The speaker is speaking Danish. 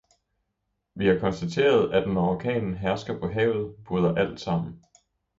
Vi har konstateret, at når orkanen hersker på havet, bryder alt sammen.